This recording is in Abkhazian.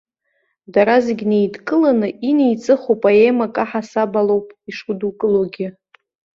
Дара зегь неидкыланы инеиҵыху поемак аҳасабалоуп ишудукылогьы.